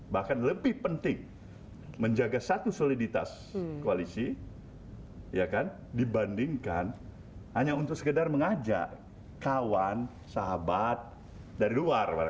bahkan lebih penting menjaga satu soliditas koalisi dibandingkan hanya untuk sekedar mengajak kawan sahabat dari luar